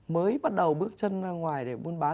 mới bắt đầu bước chân ngoài để buôn bán